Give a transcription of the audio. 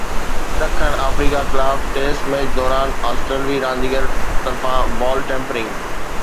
ڏکڻ آفريڪا خلاف test match دوران آسٽريلوي رانديگر طرفان بال ٽيمپرنگ